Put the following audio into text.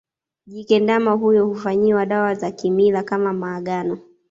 Jike ndama huyo hufanyiwa dawa za kimila kama maagano